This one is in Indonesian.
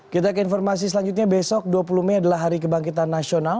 kita ke informasi selanjutnya besok dua puluh mei adalah hari kebangkitan nasional